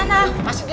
aduh kumah hatu